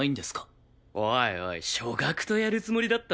おいおい曙學とやるつもりだったの？